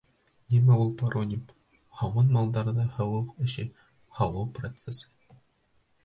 Нимә һуң ул пароним? һауын малдарҙы һауыу эше, һауыу процесы;